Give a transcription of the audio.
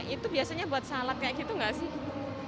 itu biasanya buat salak kayak gitu gak sih